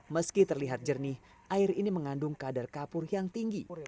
meski terlihat jernih air ini mengandung kadar kapur yang tinggi